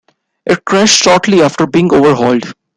It crashed shortly after being overhauled.